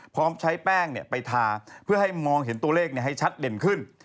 พร้อมใช้แป้งไปทาเพื่อให้มองเห็นตัวเลขให้ชัดเด่นขึ้น